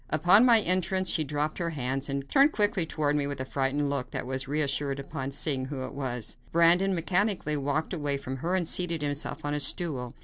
Upon my entrance, she dropped his hands and turned quickly toward me with a frightened look, but was reassured upon seeing who it was. Brandon mechanically walked away from her and seated himself on a stool.